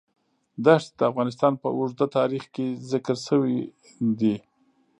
دښتې د افغانستان په اوږده تاریخ کې ذکر شوی دی.